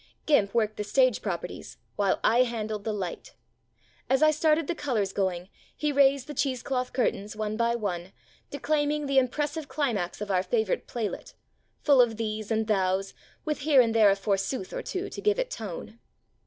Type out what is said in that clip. Gimp worked the stage properties while I handled the light. As I started the colors going, he raised the cheesecloth curtains one by one, declaiming the impressive climax of our favorite playlet вҖ" full of thee's and thou's, with here and there a forsooth or two to give it tone.